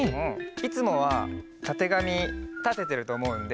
いつもはたてがみたててるとおもうので。